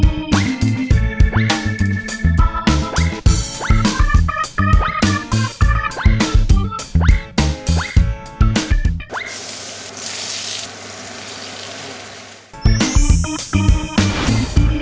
โปรดติดตามตอนต่อไป